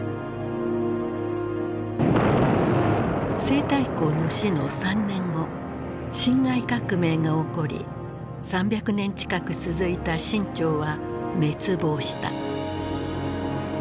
西太后の死の３年後辛亥革命が起こり３００年近く続いた清朝は滅亡した。